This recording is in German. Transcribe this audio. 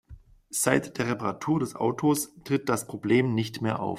Seit der Reparatur des Autos tritt das Problem nicht mehr auf.